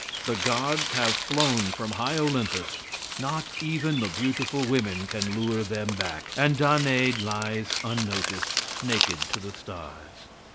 The gods have flown from high Olympus. Not even the beautiful women can lure them back, and Danee lies unnoticed, naked to the stars.